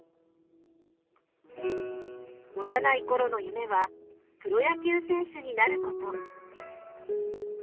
幼いころの夢はプロ野球選手になること。